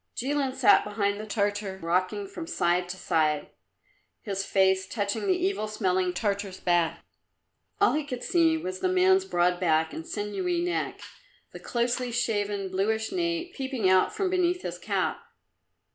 Jilin sat behind the Tartar, rocking from side to side, his face touching the evil smelling Tartar's back. All he could see was the man's broad back and sinewy neck, the closely shaven bluish nape peeping out from beneath his cap.